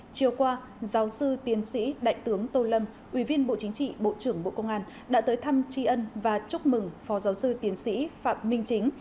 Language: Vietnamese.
chiều qua giáo sư tiến sĩ đại tướng tô lâm ủy viên bộ chính trị bộ trưởng bộ công an đã tới thăm tri ân và chúc mừng phó giáo sư tiến sĩ phạm minh chính